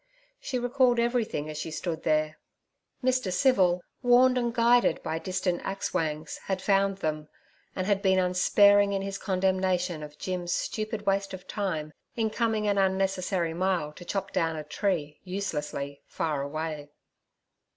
She recalled everything as she stood there. Mr. Civil, warned and guided by distant axe whangs, had found them, and had been unsparing in his condemnation of Jim's stupid waste of time in coming an unnecessary mile to chop down a tree uselessly far away.